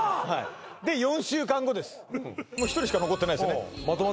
で４週間後ですもう１人しか残ってないですよね